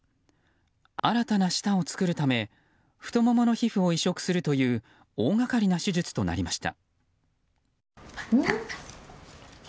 新たな舌を作るため太ももの皮膚を移植するという大がかりな手術となりました。